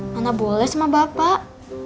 mana boleh sama bapak